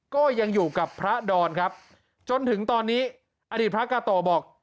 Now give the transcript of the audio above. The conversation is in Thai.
ก็ยังอยู่กับพระดอนครับจนถึงตอนนี้อดีตพระกาโตบอก